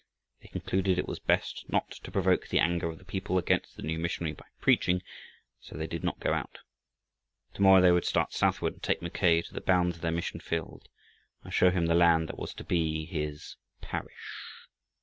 They concluded it was best not to provoke the anger of the people against the new missionary by preaching, so they did not go out. To morrow they would start southward and take Mackay to the bounds of their mission field, and show him the land that was to be "his parish."